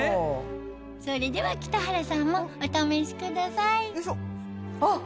それでは北原さんもお試しくださいあっ